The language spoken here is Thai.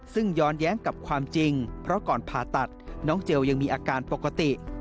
ซึ่งย้อนแย้งกับความจริงเพราะก่อนผ่าตัดน้องเจลยังมีอาการปกติ